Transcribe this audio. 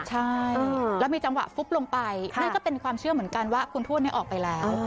ใช่แล้วมีจังหวะฟุบลงไปนั่นก็เป็นความเชื่อเหมือนกันว่าคุณทวดออกไปแล้ว